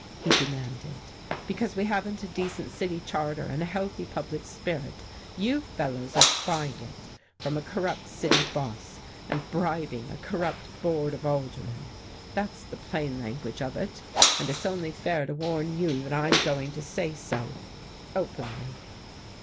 he demanded. "Because we haven't a decent city charter, and a healthy public spirit, you fellows are buying it from a corrupt city boss, and bribing a corrupt board of aldermen. That's the plain language of it. And it's only fair to warn you that I'm going to say so, openly."